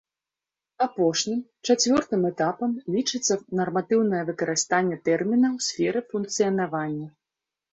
Апошнім, чацвёртым этапам лічыцца нарматыўнае выкарыстанне тэрміна ў сферы функцыянавання.